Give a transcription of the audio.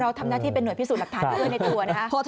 เราทำหน้าที่เป็นหน่วยพิสูจน์หลักฐานในดนะครับ